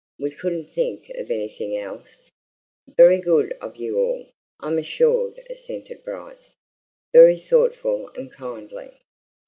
We couldn't think of anything else." "Very good of you all, I'm sure," assented Bryce. "Very thoughtful and kindly."